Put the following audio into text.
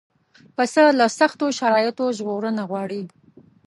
پسه له سختو شرایطو ژغورنه غواړي.